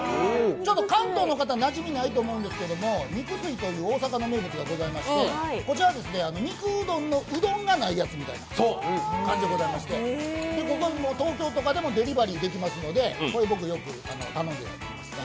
関東の方なじみないと思うんですけど、肉吸いという大阪の名物がございまして、こちらは肉うどんのうどんがないやつみたいな感じでございまして東京でもデリバリーできますので、よく頼んでます。